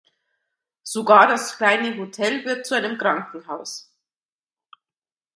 Sogar das kleine Hotel wird zu einem Krankenhaus.